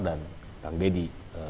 dan kang deddy